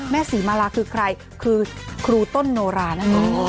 แม่ศรีมาลาคือใครคือครูต้นนโราน่ะ